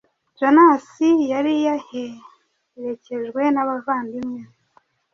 Jonas yari yaherekejwe n’abavandimwe be